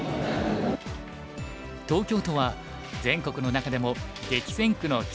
東京都は全国の中でも激戦区の一つです。